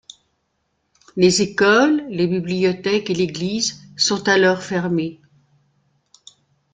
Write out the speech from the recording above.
Les écoles, les bibliothèques et l'église sont alors fermées.